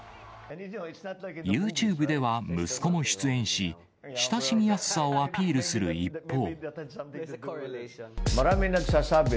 ユーチューブでは息子も出演し、親しみやすさをアピールする一方。